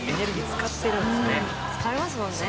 疲れますもんね。